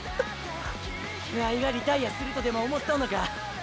ワイがリタイアするとでも思っとんのか？